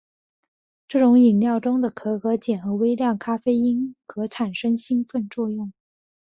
这种饮料中的可可碱和微量咖啡因可产生兴奋作用。